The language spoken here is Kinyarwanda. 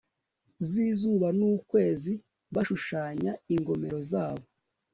z'izuba n'ukwezi bashushanya ingomero zabo